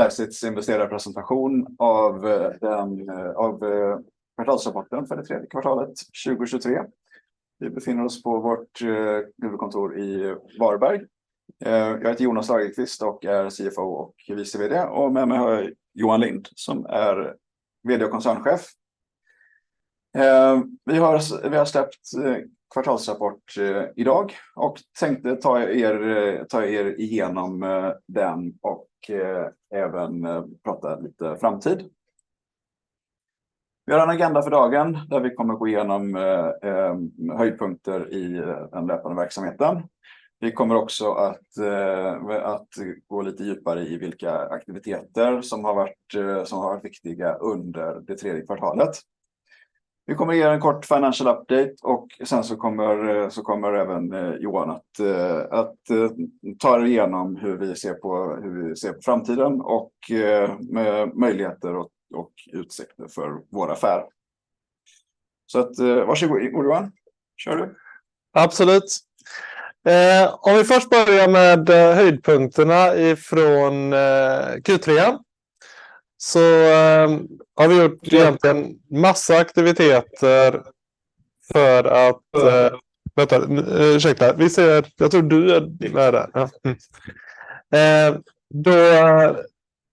Prestites investerarpresentation av kvartalsrapporten för det tredje kvartalet 2023. Vi befinner oss på vårt huvudkontor i Varberg. Jag heter Jonas Lagerqvist och är CFO och vice VD. Med mig har jag Johan Lindh, som är VD och koncernchef. Vi har släppt kvartalsrapport idag och tänkte ta er igenom den och även prata lite framtid. Vi har en agenda för dagen, där vi kommer att gå igenom höjdpunkter i den löpande verksamheten. Vi kommer också att gå lite djupare i vilka aktiviteter som har varit viktiga under det tredje kvartalet. Vi kommer att ge en kort financial update och sen så kommer Johan att ta er igenom hur vi ser på framtiden och med möjligheter och utsikter för vår affär. Varsågod, Johan. Kör du? Absolut. Om vi först börjar med höjdpunkterna från Q3, så har vi gjort egentligen en massa aktiviteter för att... Vänta, ursäkta. Vi ser, jag tror du är där. Då,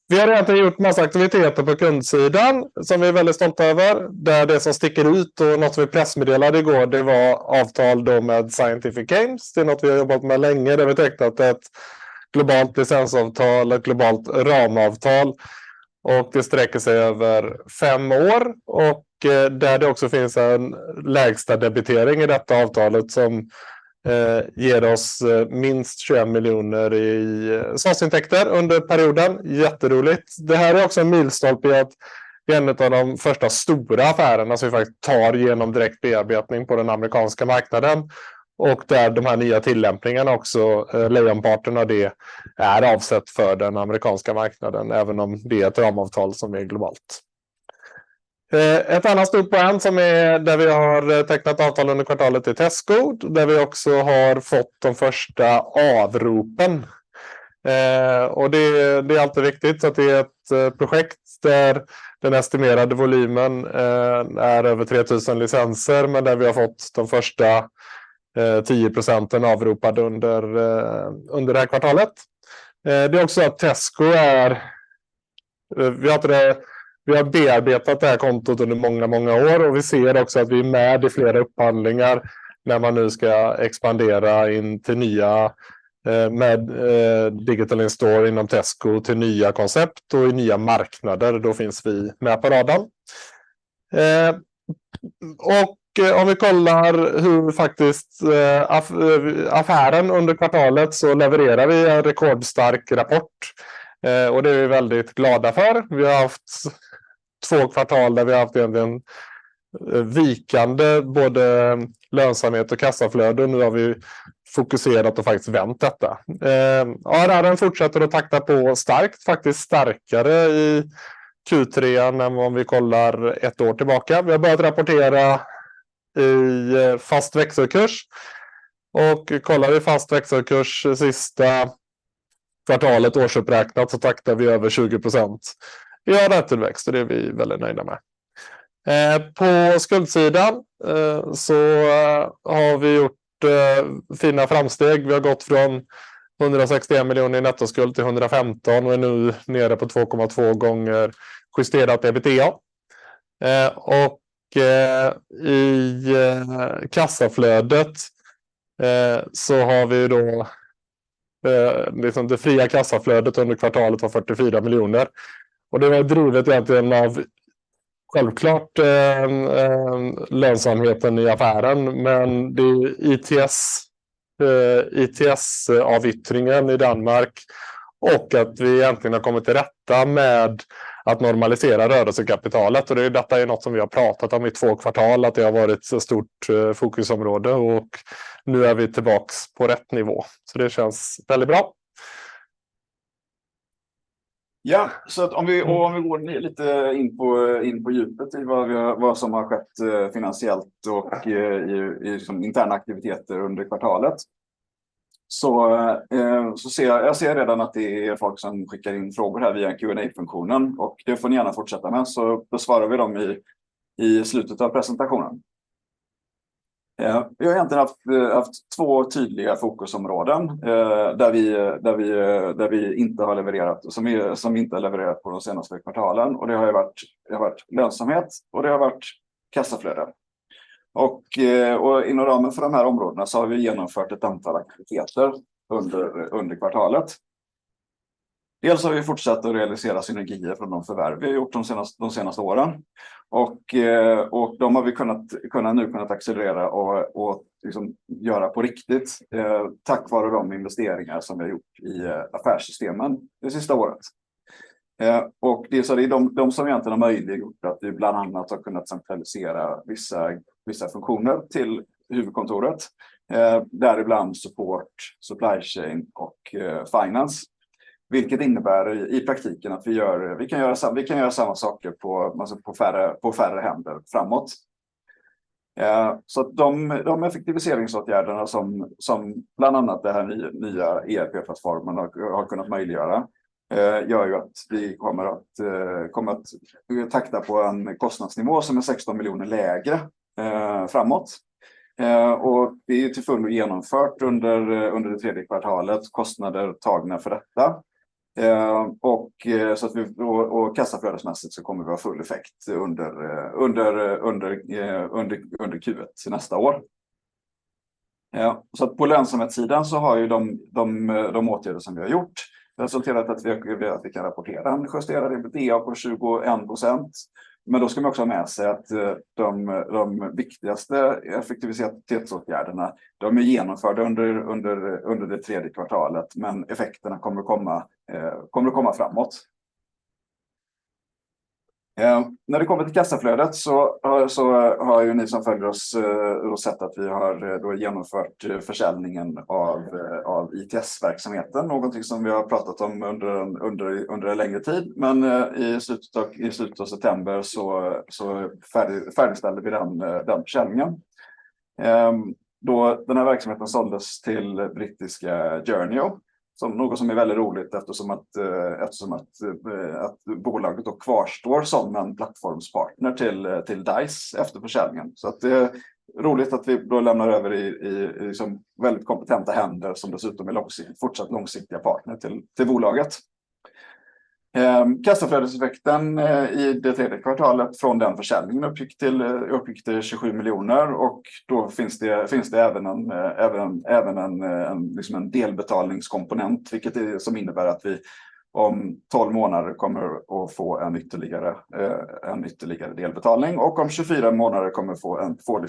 vi har egentligen gjort en massa aktiviteter på kundsidan som vi är väldigt stolta över. Det är det som sticker ut och något vi pressmeddelade i går, det var avtal med Scientific Games. Det är något vi har jobbat med länge, där vi tecknat ett globalt licensavtal, ett globalt ramavtal, och det sträcker sig över fem år och där det också finns en lägsta debitering i detta avtalet som ger oss minst 21 miljoner i årsintäkter under perioden. Jätteroligt! Det här är också en milstolpe i att det är en av de första stora affärerna som vi faktiskt tar igenom direkt bearbetning på den amerikanska marknaden och där de här nya tillämpningarna också, lejonparten av det, är avsett för den amerikanska marknaden, även om det är ett ramavtal som är globalt. En annan stor poäng är där vi har tecknat avtal under kvartalet till Tesco, där vi också har fått de första avropen. Det är alltid viktigt att det är ett projekt där den estimerade volymen är över tretusen licenser, men där vi har fått de första 10% avropade under det här kvartalet. Det är också att Tesco är, vi har inte det, vi har bearbetat det här kontot under många, många år och vi ser också att vi är med i flera upphandlingar när man nu ska expandera in till nya, med digital in-store inom Tesco, till nya koncept och i nya marknader. Då finns vi med på radarn. Och om vi kollar hur faktiskt affären under kvartalet så levererar vi en rekordstark rapport och det är vi väldigt glada för. Vi har haft två kvartal där vi haft egentligen vikande både lönsamhet och kassaflöde. Nu har vi fokuserat och faktiskt vänt detta. ARR fortsätter att takta på starkt, faktiskt starkare i Q3 än om vi kollar ett år tillbaka. Vi har börjat rapportera i fast växelkurs och kollar vi fast växelkurs sista kvartalet, årsuppräknat, så taktar vi över 20%. Vi har rätt till växt och det är vi väldigt nöjda med. På skuldsidan så har vi gjort fina framsteg. Vi har gått från 161 miljoner i nettoskuld till 115 och är nu nere på 2,2 gånger justerat EBITDA. I kassaflödet så har vi då, det fria kassaflödet under kvartalet var 44 miljoner. Det var drivet egentligen av, självklart, lönsamheten i affären, men det är ITS, ITS-avyttringen i Danmark och att vi egentligen har kommit till rätta med att normalisera rörelsekapitalet. Detta är något som vi har pratat om i två kvartal, att det har varit ett stort fokusområde och nu är vi tillbaka på rätt nivå. Så det känns väldigt bra. Ja, så att om vi går lite in på djupet i vad som har skett finansiellt och i interna aktiviteter under kvartalet, så ser jag redan att det är folk som skickar in frågor här via Q&A-funktionen och det får ni gärna fortsätta med så besvarar vi dem i slutet av presentationen. Vi har egentligen haft två tydliga fokusområden, där vi inte har levererat och som inte har levererat på de senaste kvartalen. Det har varit lönsamhet och det har varit kassaflöde. Inom ramen för de här områdena så har vi genomfört ett antal aktiviteter under kvartalet. Dels har vi fortsatt att realisera synergier från de förvärv vi har gjort de senaste åren och de har vi kunnat accelerera och göra på riktigt tack vare de investeringar som vi har gjort i affärssystemen det sista året. Det är de som egentligen har möjliggjort att vi bland annat har kunnat centralisera vissa funktioner till huvudkontoret, däribland support, supply chain och finance, vilket innebär i praktiken att vi kan göra samma saker på färre händer framåt. De effektiviseringsåtgärderna som bland annat den här nya ERP-plattformen har kunnat möjliggöra, gör att vi kommer att takta på en kostnadsnivå som är 16 miljoner lägre framåt. Det är till fullo genomfört under det tredje kvartalet, kostnader tagna för detta. Och så att vi, och kassaflödesmässigt så kommer vi att ha full effekt under Q1 nästa år. Ja, så att på lönsamhetssidan så har de åtgärder som vi har gjort resulterat att vi kan rapportera en justerad EBITDA på 21%. Men då ska man också ha med sig att de viktigaste effektivitetsåtgärderna, de är genomförda under det tredje kvartalet, men effekterna kommer att komma framåt. När det kommer till kassaflödet så har ni som följer oss sett att vi har genomfört försäljningen av ITS-verksamheten, någonting som vi har pratat om under en längre tid. Men i slutet av september så färdigställde vi den försäljningen. Då den här verksamheten såldes till brittiska Journey, som något som är väldigt roligt eftersom bolaget då kvarstår som en plattformspartner till Dice efter försäljningen. Det är roligt att vi då lämnar över i väldigt kompetenta händer som dessutom är långsiktiga, fortsatt långsiktiga partner till bolaget. Kassaflödeseffekten i det tredje kvartalet från den försäljningen uppgick till 27 miljoner och då finns det även en delbetalningskomponent, vilket innebär att vi om tolv månader kommer att få en ytterligare delbetalning och om tjugofyra månader kommer att få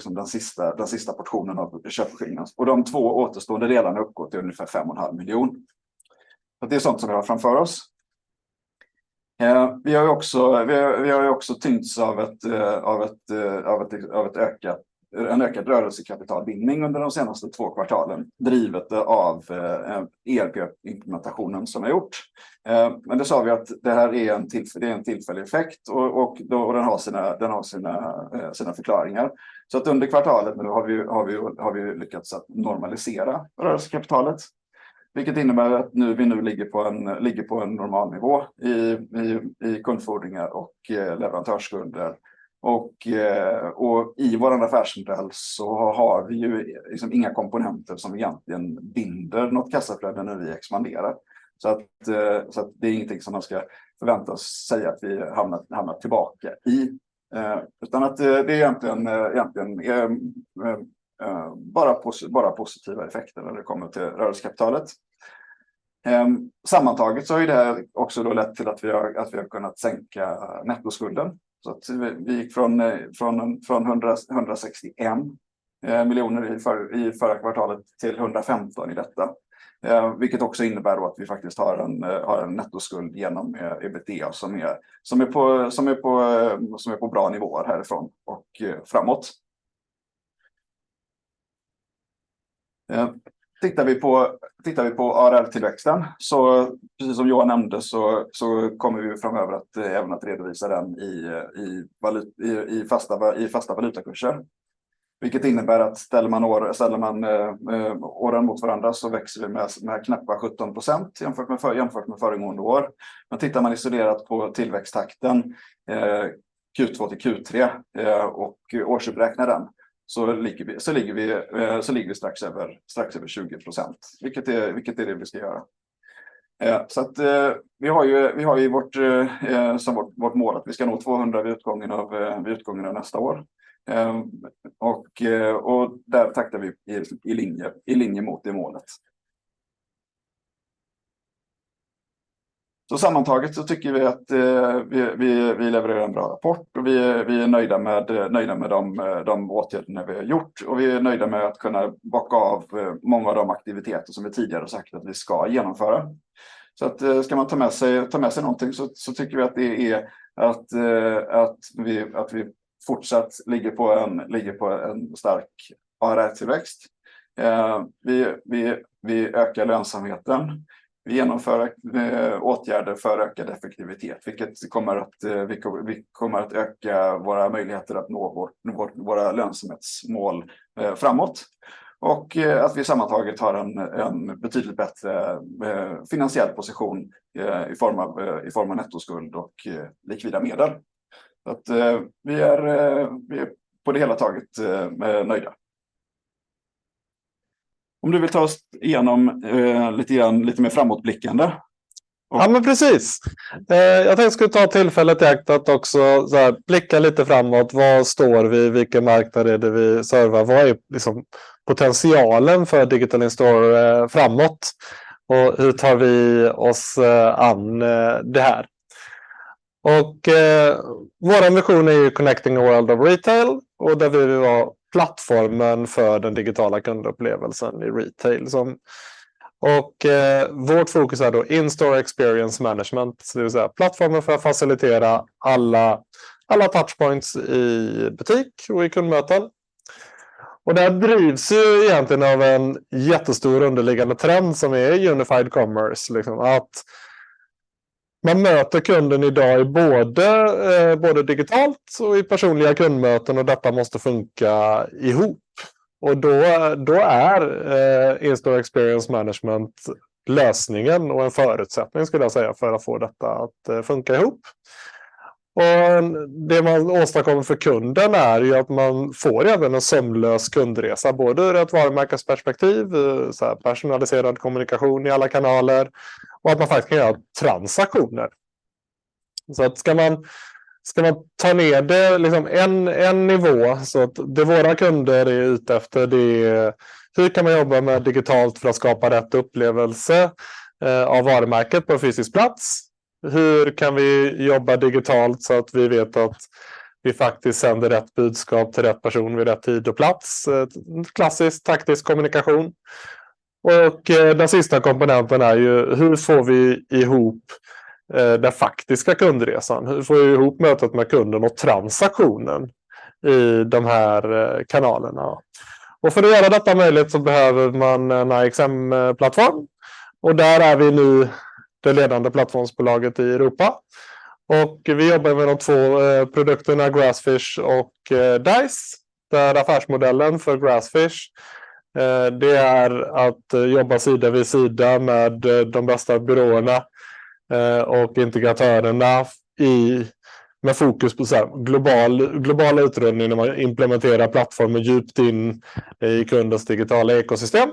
den sista portionen av köpeskillingen. De två återstående delarna uppgår till ungefär 5,5 miljoner. Det är sånt som vi har framför oss. Vi har ju också tyngts av en ökad rörelsekapitalbindning under de senaste två kvartalen, drivet av ERP-implementationen som har gjorts. Men det sa vi att det här är en tillfällig effekt och den har sina förklaringar. Under kvartalet har vi lyckats att normalisera rörelsekapitalet, vilket innebär att vi nu ligger på en normalnivå i kundfordringar och leverantörsskulder. I vår affärsmodell så har vi ju inga komponenter som egentligen binder något kassaflöde när vi expanderar. Det är ingenting som man ska förvänta sig att vi hamnat tillbaka i, utan det är egentligen bara positiva effekter när det kommer till rörelsekapitalet. Sammantaget så har det här också lett till att vi har kunnat sänka nettoskulden. Vi gick från 161 miljoner i förra kvartalet till 115 i detta, vilket också innebär att vi faktiskt har en nettoskuld genom EBITDA som är på bra nivåer härifrån och framåt. Tittar vi på ARR-tillväxten, så precis som Johan nämnde, så kommer vi framöver att även redovisa den i valuta, i fasta valutakurser, vilket innebär att ställer man åren mot varandra så växer det med knappt 17% jämfört med föregående år. Men tittar man isolerat på tillväxttakten, Q2 till Q3 och årsuppräknar den, så ligger vi strax över 20%, vilket är det vi ska göra. Vi har vårt mål att vi ska nå tvåhundra vid utgången av nästa år. Där taktar vi i linje mot det målet. Sammantaget tycker vi att vi levererar en bra rapport och vi är nöjda med de åtgärderna vi har gjort och vi är nöjda med att kunna bocka av många av de aktiviteter som vi tidigare har sagt att vi ska genomföra. Ska man ta med sig någonting tycker vi att det är att vi fortsatt ligger på en stark ARR-tillväxt. Vi ökar lönsamheten, vi genomför åtgärder för ökad effektivitet, vilket kommer att öka våra möjligheter att nå våra lönsamhetsmål framåt. Och att vi sammantaget har en betydligt bättre finansiell position i form av nettoskuld och likvida medel. Så att vi är på det hela taget nöjda. Om du vill ta oss igenom lite grann, lite mer framåtblickande? Ja, men precis. Jag tänkte att jag skulle ta tillfället i akt att också blicka lite framåt. Var står vi? Vilken marknad är det vi servar? Vad är potentialen för Digital In Store framåt? Hur tar vi oss an det här? Vår ambition är ju connecting a world of retail, och där vi vill vara plattformen för den digitala kundupplevelsen i retail. Vårt fokus är då In Store Experience Management, det vill säga plattformen för att facilitera alla touchpoints i butik och i kundmöten. Det här drivs ju egentligen av en jättestor underliggande trend som är unified commerce, liksom att man möter kunden i dag både digitalt och i personliga kundmöten och detta måste funka ihop. Då är In-store Experience Management lösningen och en förutsättning skulle jag säga, för att få detta att funka ihop. Och det man åstadkommer för kunden är ju att man får även en sömlös kundresa, både ur ett varumärkes perspektiv, såhär personaliserad kommunikation i alla kanaler och att man faktiskt kan göra transaktioner. Så att ska man ta ner det liksom en nivå så att det våra kunder är ute efter, det är hur kan man jobba med digitalt för att skapa rätt upplevelse av varumärket på en fysisk plats? Hur kan vi jobba digitalt så att vi vet att vi faktiskt sänder rätt budskap till rätt person vid rätt tid och plats? Klassiskt taktisk kommunikation. Och den sista komponenten är ju: hur får vi ihop den faktiska kundresan? Hur får vi ihop mötet med kunden och transaktionen i de här kanalerna? Och för att göra detta möjligt så behöver man en XM-plattform och där är vi nu det ledande plattformsbolaget i Europa. Och vi jobbar med de två produkterna, Grassfish och Dice. Det är affärsmodellen för Grassfish. Det är att jobba sida vid sida med de bästa byråerna och integratörerna med fokus på global utrullning när man implementerar plattformen djupt in i kundens digitala ekosystem.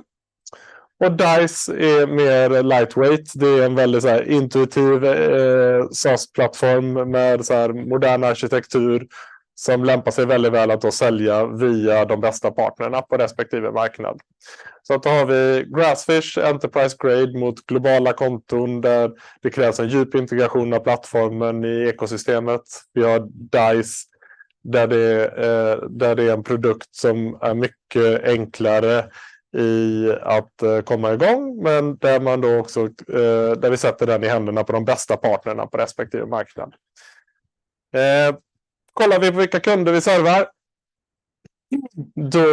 Och Dice är mer lightweight. Det är en väldigt intuitiv SaaS-plattform med modern arkitektur som lämpar sig väldigt väl att sälja via de bästa partnerna på respektive marknad. Då har vi Grassfish Enterprise Grade mot globala konton, där det krävs en djup integration av plattformen i ekosystemet. Vi har Dice, där det är en produkt som är mycket enklare att komma igång med, men där vi sätter den i händerna på de bästa partnerna på respektive marknad. Kollar vi på vilka kunder vi servar, då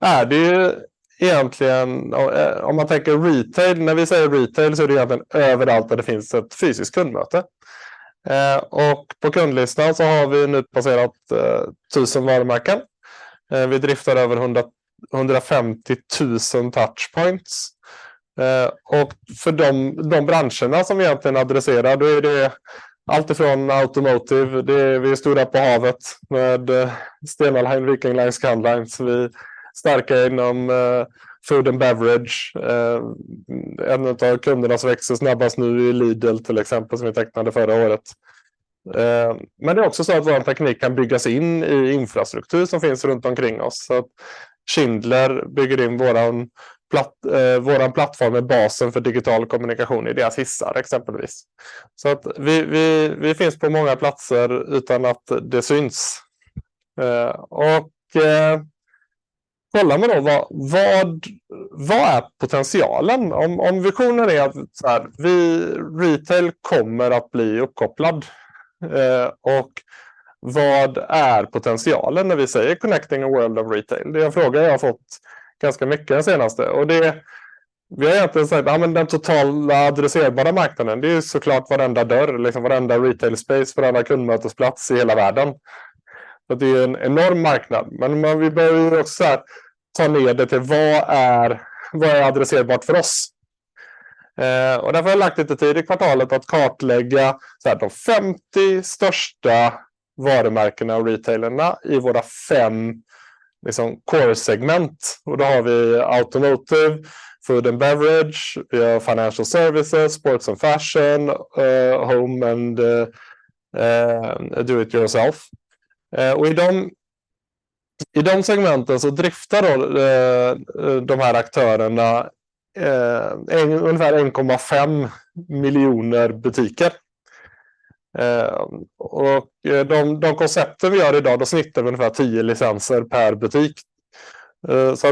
är det egentligen, om man tänker retail. När vi säger retail, så är det egentligen överallt där det finns ett fysiskt kundmöte. På kundlistan så har vi nu passerat tusen varumärken. Vi driftar över hundrafemtiotusen touch points och för de branscherna som egentligen adresserar, då är det allt ifrån automotive. Vi är stora på havet med Stena Line, Viking Line, Scandlines. Vi är starka inom food and beverage. En av kunderna som växer snabbast nu är Lidl, till exempel, som vi tecknade förra året. Men det är också så att vår teknik kan byggas in i infrastruktur som finns runt omkring oss. Så att Schindler bygger in vår plattform med basen för digital kommunikation i deras hissar, exempelvis. Så att vi finns på många platser utan att det syns. Kollar man då vad potentialen är? Om visionen är att retail kommer att bli uppkopplad. Och vad är potentialen när vi säger connecting a world of retail? Det är en fråga jag har fått ganska mycket den senaste. Vi har egentligen sagt, ja men den totala adresserbara marknaden, det är så klart varenda dörr, varenda retail space, varenda kundmötesplats i hela världen. Det är en enorm marknad, men vi behöver också ta ner det till vad är adresserbart för oss. Därför har jag lagt lite tid i kvartalet att kartlägga de femtio största varumärkena och retailerna i våra fem core segment. Vi har automotive, food and beverage, vi har financial services, sports and fashion, home and do it yourself. I de segmenten så driftar de här aktörerna ungefär 1,5 miljoner butiker. De koncept vi gör idag, de snittar vid ungefär tio licenser per butik.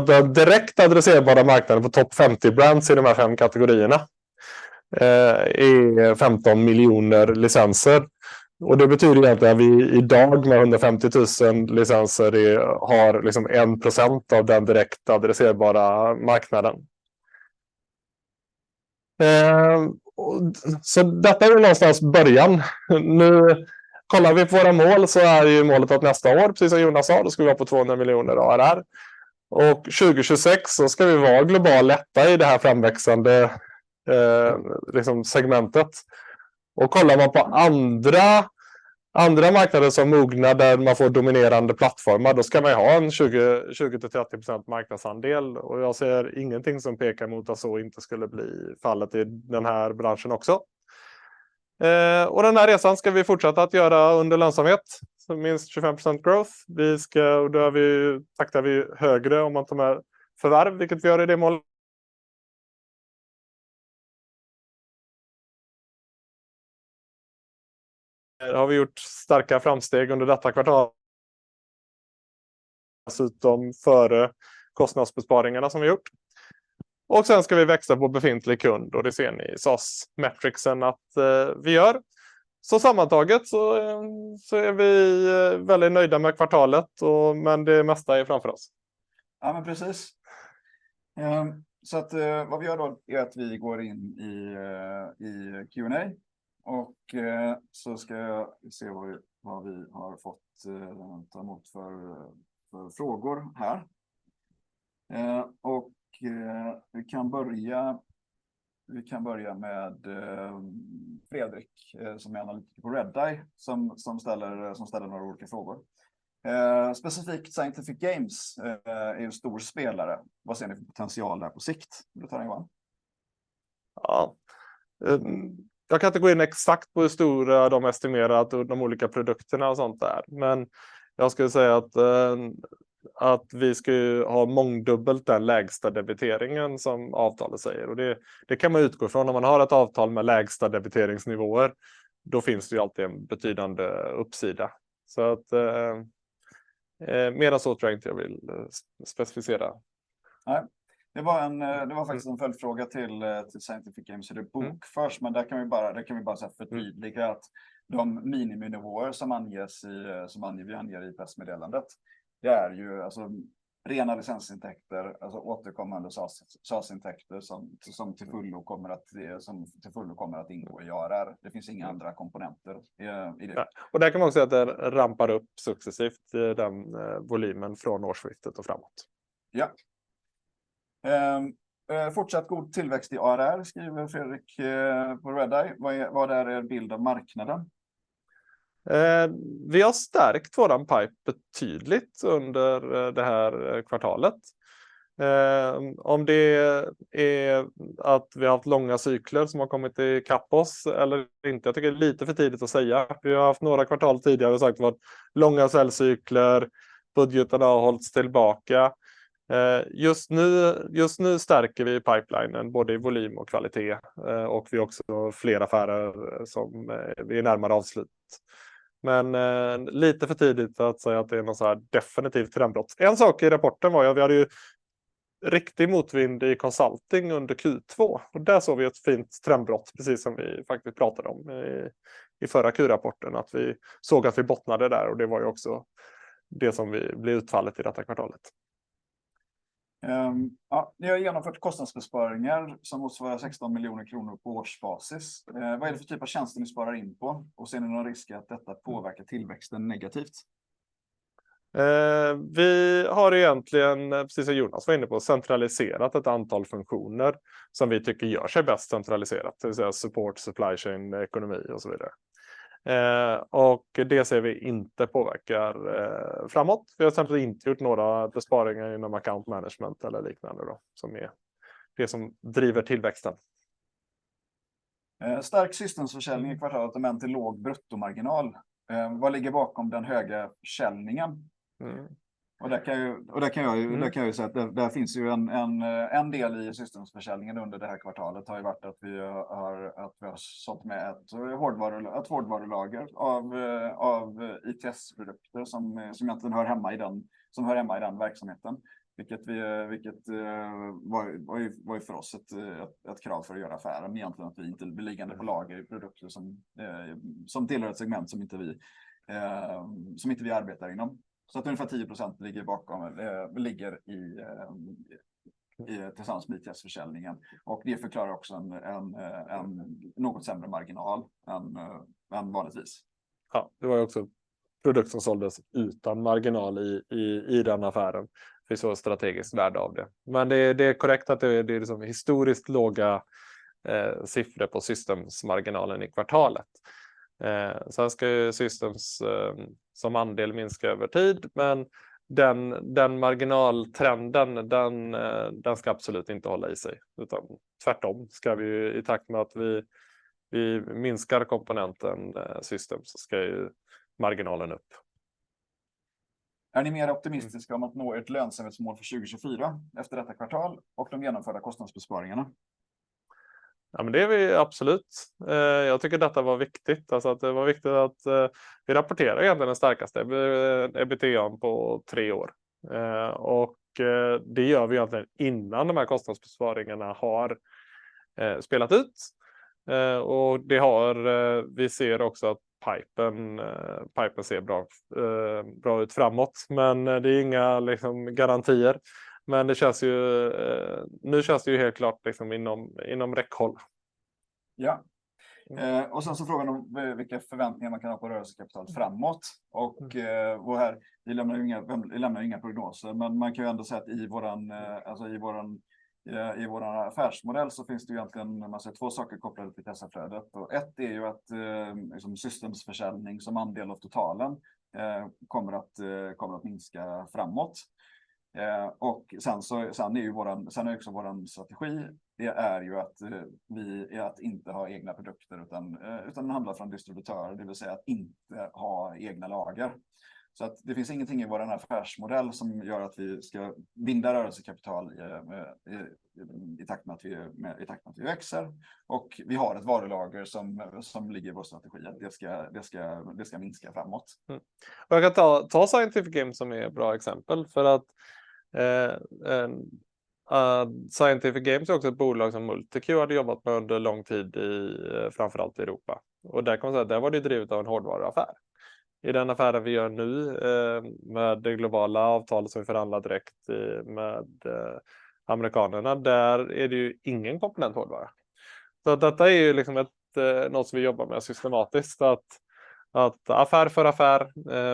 Den direkt adresserbara marknaden på topp femtio brands i de här fem kategorierna är 15 miljoner licenser. Det betyder egentligen att vi idag med 150,000 licenser har liksom 1% av den direkt adresserbara marknaden. Detta är väl någonstans början. Nu kollar vi på våra mål, målet på att nästa år, precis som Jonas sa, då ska vi vara på 200 miljoner ARR. 2026 ska vi vara global ledare i det här framväxande segmentet. Kollar man på andra marknader som mognar, där man får dominerande plattformar, då ska man ju ha en 20-30% marknadsandel och jag ser ingenting som pekar mot att så inte skulle bli fallet i den här branschen också. Den här resan ska vi fortsätta att göra under lönsamhet, minst 25% growth. Vi ska, och då har vi, taktar vi högre om man tar med förvärv, vilket vi gör i det målet. Här har vi gjort starka framsteg under detta kvartal. Dessutom före kostnadsbesparingarna som vi gjort. Sen ska vi växa på befintlig kund och det ser ni i SaaS-matrixen att vi gör. Sammantaget så är vi väldigt nöjda med kvartalet, men det mesta är framför oss. Ja, men precis! Så att vad vi gör då är att vi går in i Q&A och så ska jag se vad vi har fått ta emot för frågor här. Vi kan börja med Fredrik, som är analytiker på Redeye, som ställer några olika frågor. Specifikt Scientific Games är ju en stor spelare. Vad ser ni för potential där på sikt? Vill du ta den Johan? Ja, jag kan inte gå in exakt på hur stora de estimerat de olika produkterna och sånt där, men jag skulle säga att vi ska ju ha mångdubbelt den lägsta debiteringen som avtalet säger. Och det kan man utgå från. När man har ett avtal med lägsta debiteringsnivåer, då finns det ju alltid en betydande uppsida. Så mer än så tror jag inte jag vill specificera. Nej, det var en, det var faktiskt en följdfråga till Scientific Games hur det bokförs, men där kan vi bara förtydliga att de miniminivåer som anges i, som vi anger i pressmeddelandet, det är ju alltså rena licensintäkter, alltså återkommande SaaS-intäkter, som till fullo kommer att ingå i ARR. Det finns inga andra komponenter i det. Och där kan man också säga att det rampar upp successivt den volymen från årsskiftet och framåt. Ja. Fortsatt god tillväxt i ARR, skriver Fredrik på Redeye. Vad är er bild av marknaden? Vi har stärkt vår pipeline betydligt under det här kvartalet. Om det är att vi har haft långa cykler som har kommit ikapp oss eller inte, jag tycker det är lite för tidigt att säga. Vi har haft några kvartal tidigare och sagt att vi har haft långa säljcykler, budgeten har hållits tillbaka. Just nu stärker vi pipelinen, både i volym och kvalitet, och vi har också fler affärer som är närmare avslut. Men lite för tidigt att säga att det är något definitivt trendbrott. En sak i rapporten var ju, vi hade ju riktig motvind i consulting under Q2 och där såg vi ett fint trendbrott, precis som vi faktiskt pratade om i förra Q-rapporten, att vi såg att vi bottnade där och det var ju också det som blev utfallet i detta kvartalet. Ja, ni har genomfört kostnadsbesparingar som motsvarar 16 miljoner kronor på årsbasis. Vad är det för typ av tjänster ni sparar in på? Ser ni någon risk att detta påverkar tillväxten negativt? Vi har egentligen, precis som Jonas var inne på, centraliserat ett antal funktioner som vi tycker gör sig bäst centraliserat, det vill säga support, supply chain, ekonomi och så vidare. Och det ser vi inte påverkar framåt. Vi har till exempel inte gjort några besparingar inom account management eller liknande då, som är det som driver tillväxten. Stark systemsförsäljning i kvartalet, men till låg bruttomarginal. Vad ligger bakom den höga försäljningen? Där kan jag säga att där finns en del i systemsförsäljningen under det här kvartalet har varit att vi har sålt med ett hårdvarulager av ITS-produkter som egentligen hör hemma i den verksamheten. Vilket var för oss ett krav för att göra affären. Egentligen att vi inte blir liggande på lager i produkter som tillhör ett segment som inte vi arbetar inom. Så att ungefär 10% ligger bakom, ligger i tillsammans med ITS-försäljningen och det förklarar också en något sämre marginal än vanligtvis. Ja, det var också en produkt som såldes utan marginal i den affären. Vi såg strategiskt värde av det. Men det är korrekt att det är historiskt låga siffror på systemsmarginalen i kvartalet. Sen ska ju systems som andel minska över tid, men den marginaltrenden, den ska absolut inte hålla i sig, utan tvärtom ska vi i takt med att vi minskar komponenten systems, så ska ju marginalen upp. Är ni mer optimistiska om att nå ert lönsamhetsmål för 2024 efter detta kvartal och de genomförda kostnadsbesparingarna? Ja, men det är vi absolut. Jag tycker detta var viktigt. Alltså, att det var viktigt att vi rapporterar egentligen den starkaste EBITDA på tre år. Och det gör vi egentligen innan de här kostnadsbesparingarna har spelat ut. Och det har, vi ser också att pipen, pipen ser bra, bra ut framåt, men det är inga liksom garantier. Men det känns ju, nu känns det ju helt klart inom, inom räckhåll. Ja, och sen så frågan om vilka förväntningar man kan ha på rörelsekapital framåt. Här lämnar vi ju inga prognoser, men man kan ändå säga att i vår affärsmodell så finns det egentligen, om man ser två saker kopplade till kassaflödet. Ett är ju att systemsförsäljning som andel av totalen kommer att minska framåt. Sen är också vår strategi att vi inte har egna produkter, utan handla från distributörer, det vill säga att inte ha egna lager. Det finns ingenting i vår affärsmodell som gör att vi ska binda rörelsekapital i takt med att vi växer och vi har ett varulager som ligger i vår strategi, att det ska minska framåt. Jag kan ta Scientific Games som är ett bra exempel, för att Scientific Games är också ett bolag som Multiq hade jobbat med under lång tid i, framför allt i Europa. Och där kan man säga, där var det drivet av en hårdvaruaffär. I den affären vi gör nu, med det globala avtalet som vi förhandlar direkt med amerikanerna, där är det ju ingen komponent hårdvara. Så detta är ju liksom ett något som vi jobbar med systematiskt. Att affär för affär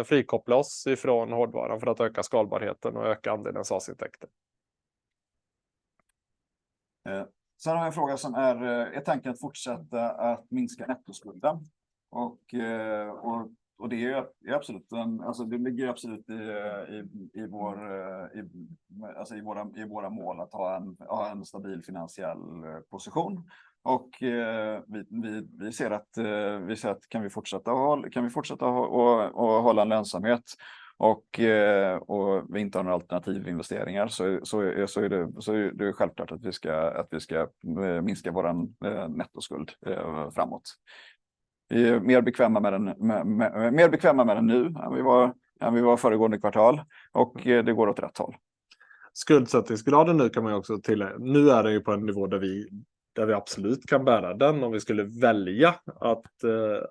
frikoppla oss ifrån hårdvaran för att öka skalbarheten och öka andelen SaaS-intäkter. Sen har vi en fråga som är: Är tanken att fortsätta att minska nettoskulden? Det är absolut en, det ligger absolut i våra mål att ha en stabil finansiell position. Vi ser att kan vi fortsätta och hålla en lönsamhet och vi inte har några alternativa investeringar, så är det självklart att vi ska minska vår nettoskuld framåt. Vi är mer bekväma med den nu än vi var föregående kvartal och det går åt rätt håll. Skuldsättningsgraden nu kan man ju också tillägga. Nu är det ju på en nivå där vi, där vi absolut kan bära den om vi skulle välja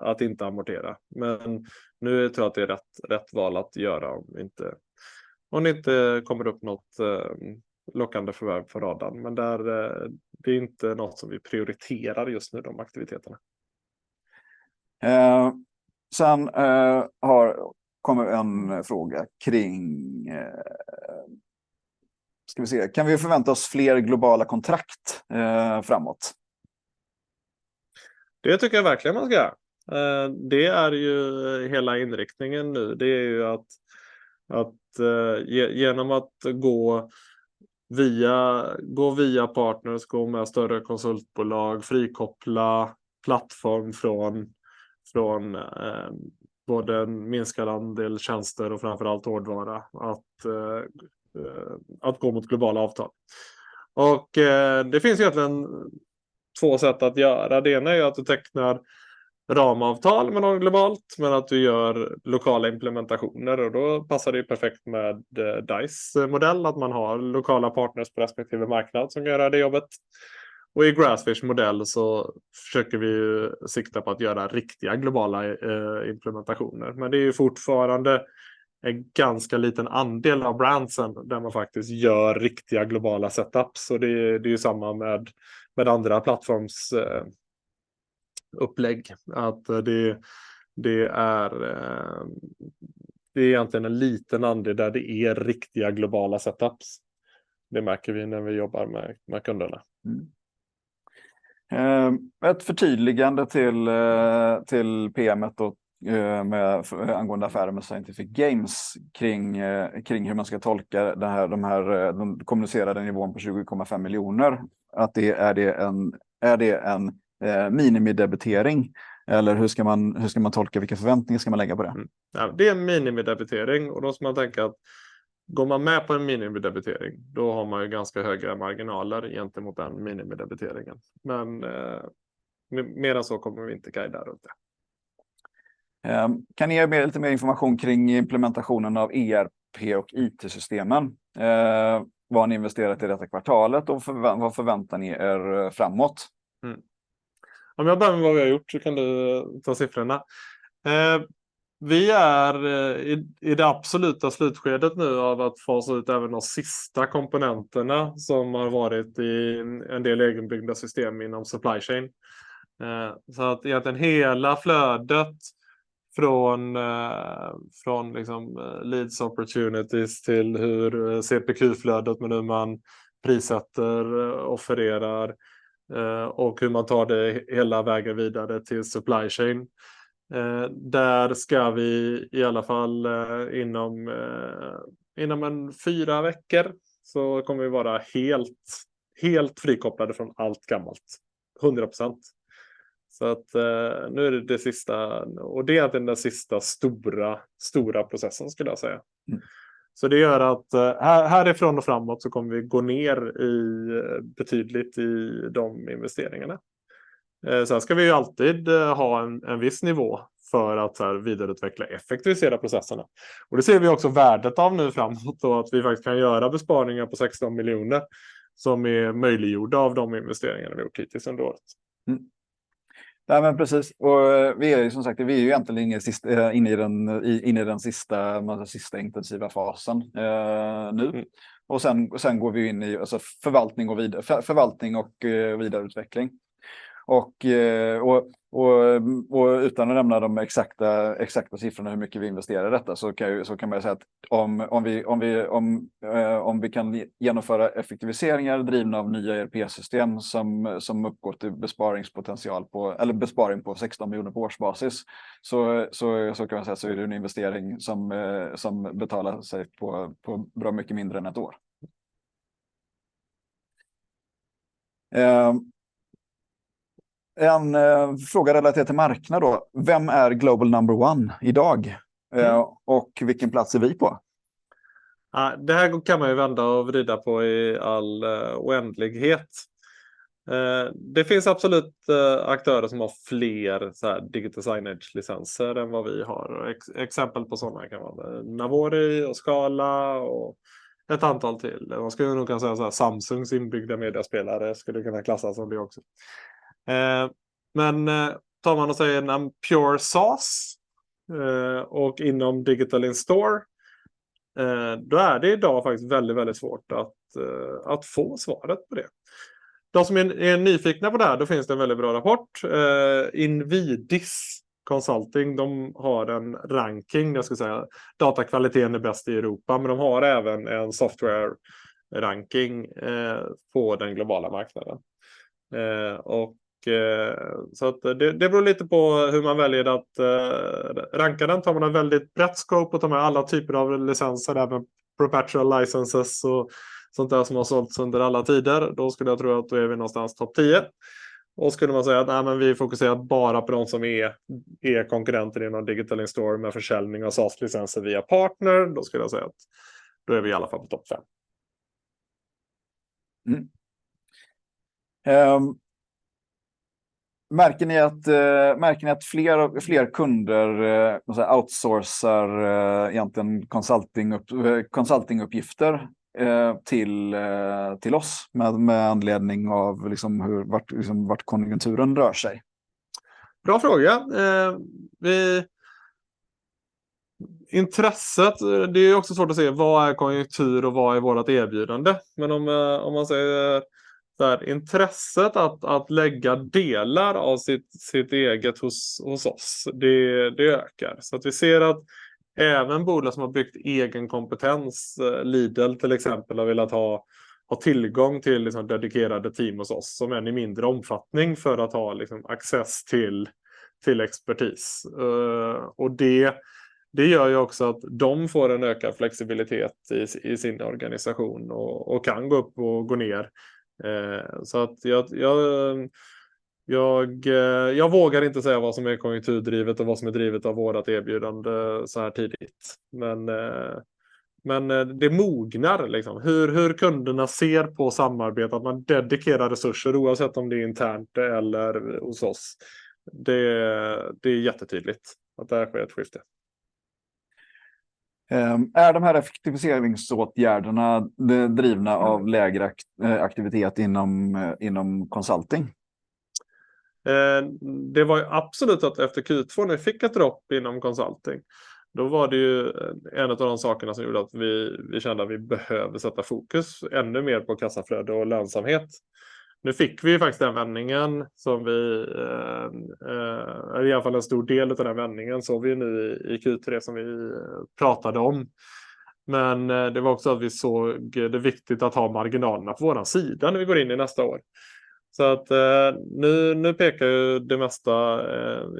att inte amortera. Men nu tror jag att det är rätt val att göra om inte, om det inte kommer upp något lockande förvärv på radarn. Men där, det är inte något som vi prioriterar just nu, de aktiviteterna. Eh, sen har, kommer en fråga kring... Ska vi se: Kan vi förvänta oss fler globala kontrakt framåt? Det tycker jag verkligen man ska! Det är ju hela inriktningen nu. Det är ju att ge genom att gå via partners, gå med större konsultbolag, frikoppla plattform från både en minskad andel tjänster och framför allt hårdvara, att gå mot globala avtal. Och det finns egentligen två sätt att göra. Det ena är att du tecknar ramavtal med någon globalt, men att du gör lokala implementationer och då passar det perfekt med Dice-modell, att man har lokala partners på respektive marknad som gör det jobbet. Och i Grassfish-modell så försöker vi ju sikta på att göra riktiga globala implementationer. Men det är fortfarande en ganska liten andel av branschen där man faktiskt gör riktiga globala set ups. Och det är ju samma med andra plattformsupplägg. Att det är egentligen en liten andel där det är riktiga globala set ups. Det märker vi när vi jobbar med kunderna. Ett förtydligande till PM:et då med angående affären med Scientific Games, kring hur man ska tolka det här, den kommunicerade nivån på 20,5 miljoner. Är det en minimidebitering eller hur ska man tolka, vilka förväntningar ska man lägga på det? Det är en minimidebitering och då ska man tänka att går man med på en minimidebitering, då har man ju ganska höga marginaler gentemot den minimidebiteringen. Men mer än så kommer vi inte guida runt det. Kan ni ge lite mer information kring implementationen av ERP och IT-systemen? Vad har ni investerat i detta kvartalet och vad förväntar ni er framåt? Om jag börjar med vad vi har gjort, så kan du ta siffrorna. Vi är i det absoluta slutskedet nu av att fasa ut även de sista komponenterna som har varit i en del egenbyggda system inom supply chain. Så att egentligen hela flödet från leads, opportunities till hur CPQ-flödet, men hur man prissätter, offererar och hur man tar det hela vägen vidare till supply chain. Där ska vi i alla fall inom fyra veckor, så kommer vi vara helt frikopplade från allt gammalt. 100%. Så att nu är det det sista, och det är den sista stora processen skulle jag säga. Så det gör att härifrån och framåt så kommer vi gå ner betydligt i de investeringarna. Sen ska vi ju alltid ha en viss nivå för att vidareutveckla, effektivisera processerna. Och det ser vi också värdet av nu framåt och att vi faktiskt kan göra besparingar på 16 miljoner, som är möjliggjorda av de investeringarna vi har gjort hittills under året. Nej, men precis. Vi är ju som sagt egentligen inne i den sista intensiva fasen nu. Sen går vi in i förvaltning och vidareutveckling. Utan att nämna de exakta siffrorna, hur mycket vi investerar i detta, så kan man säga att om vi kan genomföra effektiviseringar drivna av nya ERP-system som uppgår till besparingspotential på, eller besparing på SEK 16 miljoner på årsbasis, så kan man säga att det är en investering som betalar sig på bra mycket mindre än ett år. En fråga relaterat till marknad då. Vem är global number one idag? Vilken plats är vi på? Det här kan man ju vända och vrida på i all oändlighet. Det finns absolut aktörer som har fler såhär digital signage-licenser än vad vi har. Exempel på sådana kan vara Navori och Scala och ett antal till. Man skulle nog kunna säga såhär, Samsungs inbyggda mediaspelare skulle kunna klassas som det också. Men tar man och säger en pure SaaS och inom digital in-store, då är det i dag faktiskt väldigt, väldigt svårt att få svaret på det. De som är nyfikna på det här, då finns det en väldigt bra rapport. Invidis Consulting, de har en ranking, jag skulle säga datakvaliteten är bäst i Europa, men de har även en software ranking på den globala marknaden. Så att det beror lite på hur man väljer att ranka den. Tar man en väldigt brett scope och tar med alla typer av licenser, även perpetual licenses och sånt där som har sålts under alla tider, då skulle jag tro att då är vi någonstans topp tio. Skulle man säga att vi fokuserar bara på de som är konkurrenter inom digital in-store med försäljning av SaaS-licenser via partner, då skulle jag säga att då är vi i alla fall på topp fem. Märker ni att fler kunder outsourcar egentligen consultinguppgifter till oss med anledning av hur konjunkturen rör sig? Bra fråga! Intresset, det är också svårt att se vad är konjunktur och vad är vårt erbjudande. Men om man säger så här, intresset att lägga delar av sitt eget hos oss, det ökar. Så att vi ser att även bolag som har byggt egen kompetens, Lidl till exempel, har velat ha tillgång till dedikerade team hos oss, om än i mindre omfattning, för att ha access till expertis. Och det gör ju också att de får en ökad flexibilitet i sin organisation och kan gå upp och gå ner. Så att jag vågar inte säga vad som är konjunkturdrivet och vad som är drivet av vårt erbjudande så här tidigt. Men det mognar. Hur kunderna ser på samarbete, att man dedikerar resurser, oavsett om det är internt eller hos oss. Det, det är jättetydligt att det här sker ett skifte. Är de här effektiviseringsåtgärderna drivna av lägre aktivitet inom consulting? Det var absolut att efter Q2, när vi fick ett dropp inom consulting, då var det ju en av de sakerna som gjorde att vi kände att vi behöver sätta fokus ännu mer på kassaflöde och lönsamhet. Nu fick vi faktiskt den vändningen, som vi, eller i alla fall en stor del av den vändningen, såg vi nu i Q3 som vi pratade om. Men det var också att vi såg det viktigt att ha marginalerna på vår sida när vi går in i nästa år. Så att nu pekar ju det mesta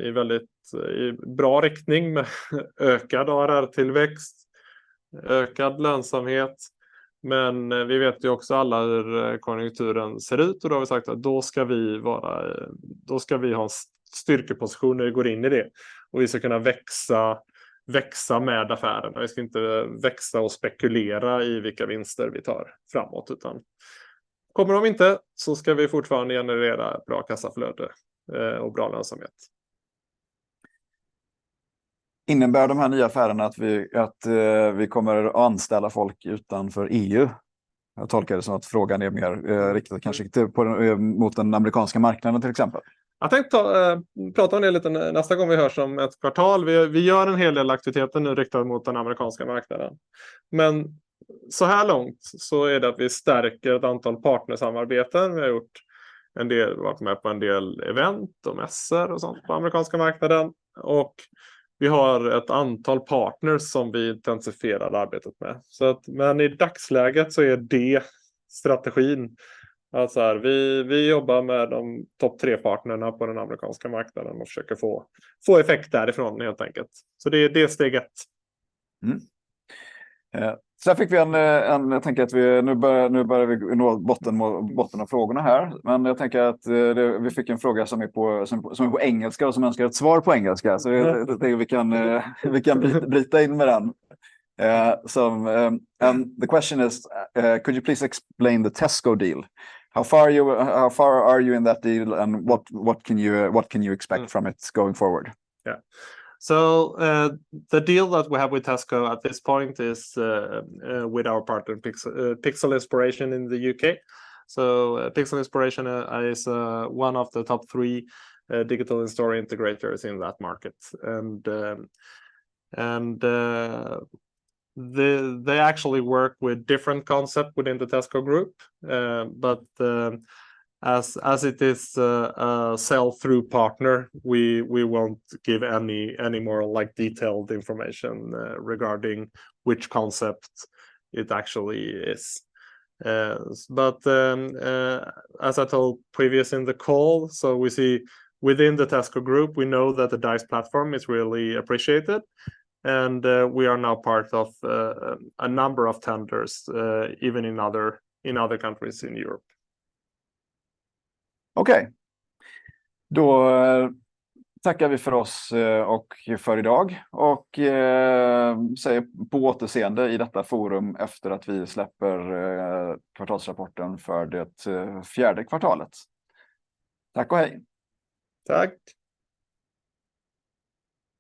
i väldigt bra riktning med ökad ARR-tillväxt, ökad lönsamhet. Men vi vet ju också alla hur konjunkturen ser ut och då har vi sagt att då ska vi vara, då ska vi ha en styrkeposition när vi går in i det och vi ska kunna växa med affärerna. Vi ska inte växa och spekulera i vilka vinster vi tar framåt, utan kommer de inte, så ska vi fortfarande generera bra kassaflöde och bra lönsamhet. Innebär de här nya affärerna att vi kommer att anställa folk utanför EU? Jag tolkar det som att frågan är mer riktad, kanske mot den amerikanska marknaden, till exempel. Jag tänkte prata om det lite nästa gång vi hörs om ett kvartal. Vi gör en hel del aktiviteter nu riktade mot den amerikanska marknaden. Men såhär långt så är det att vi stärker ett antal partnersamarbeten. Vi har gjort en del, varit med på en del event och mässor och sådant på amerikanska marknaden och vi har ett antal partners som vi intensifierar arbetet med. Men i dagsläget så är det strategin, att vi jobbar med de topp tre partnerna på den amerikanska marknaden och försöker få effekt därifrån helt enkelt. Så det är steg ett. Sen fick vi en, jag tänker att vi nu börjar, nu börjar vi nå botten, botten av frågorna här. Men jag tänker att vi fick en fråga som är på engelska och som önskar ett svar på engelska. Så jag tänker vi kan, vi kan bryta in med den. The question is, could you please explain the Tesco deal? How far are you, how far are you in that deal and what, what can you expect from it going forward? The deal that we have with Tesco at this point is with our partner, Pixel Inspiration in the UK. Pixel Inspiration is one of the top three digital in-store integrators in that market. They actually work with different concepts within the Tesco group, but as it is a sell-through partner, we won't give any more detailed information regarding which concept it actually is. But as I told previously in the call, we see within the Tesco group, we know that the Dice platform is really appreciated and we are now part of a number of tenders, even in other countries in Europe. Okej, då tackar vi för oss och för idag och säger på återseende i detta forum efter att vi släpper kvartalsrapporten för det fjärde kvartalet. Tack och hej! Tack.